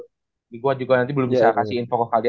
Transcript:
jadi gue juga nanti belum bisa kasih info ke kalian